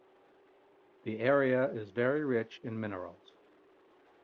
The area is very rich in minerals.